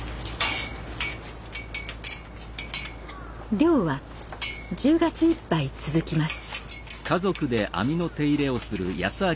漁は１０月いっぱい続きます。